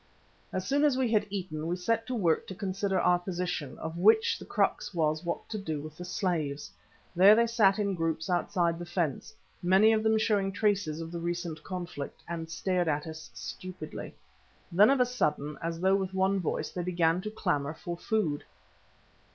As soon as we had eaten, we set to work to consider our position, of which the crux was what to do with the slaves. There they sat in groups outside the fence, many of them showing traces of the recent conflict, and stared at us stupidly. Then of a sudden, as though with one voice, they began to clamour for food.